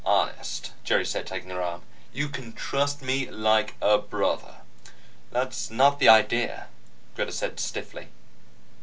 "Honey," Jerry said, taking her arm, "you can trust me like a brother." "That's not the idea," Greta said stiffly.